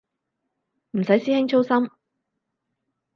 唔使師兄操心